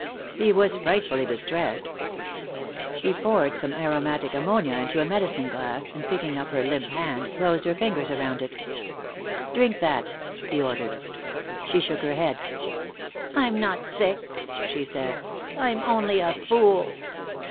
He was frightfully distressed. He poured some aromatic ammonia into a medicine glass and picking up her limp hand, closed her fingers around it. "Drink that," he ordered. She shook her head. "I'm not sick," she said. "I'm only a fool."